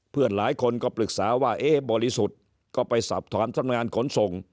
เพื่อนหลายคนก็ปรึกษาว่าเอ๊ะบริสุทธิ์ก็ไปสอบถามทำงานขนส่ง